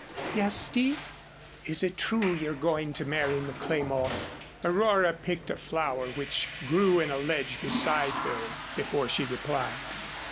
"Yes, Steve." "Is it true you're going to marry McLemore?" Aurora picked a flower which grew in a ledge beside her before she replied.